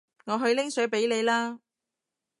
我去拎水畀你啦